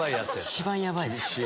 一番ヤバいです。